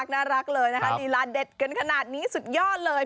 น่ารักเลยนะคะลีลาเด็ดกันขนาดนี้สุดยอดเลย